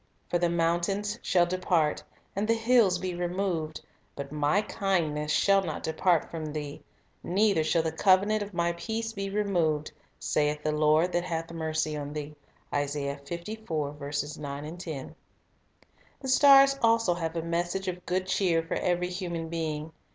For the mountains shall depart, and the hills be removed; but My kindness shall not depart from thee, neither shall the covenant of My peace be removed, saith the Lord that hath mercy on thee." 3 The stars also have a message of good cheer for The stan every human being.